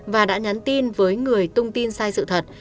và đã nhắn tin với người tung tin sai sự thật